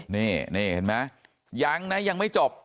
นี่เห็นมั้ยยังไม่จบ